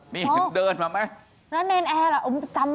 มี่เดินจรวมไปไม๊